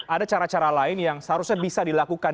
ada cara cara lain yang seharusnya bisa dilakukan